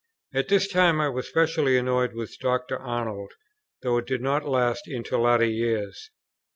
At this time I was specially annoyed with Dr. Arnold, though it did not last into later years.